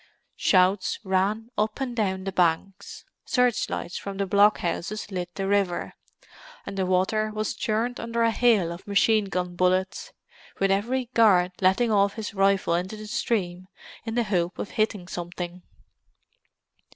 Shouts ran up and down the banks. Searchlights from the blockhouses lit the river, and the water was churned under a hail of machine gun bullets, with every guard letting off his rifle into the stream in the hope of hitting something.